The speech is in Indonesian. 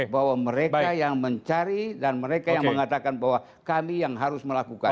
bahwa mereka yang mencari dan mereka yang mengatakan bahwa kami yang harus melakukan